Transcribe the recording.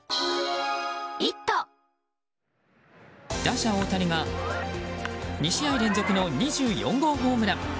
打者・大谷が２試合連続の２４号ホームラン。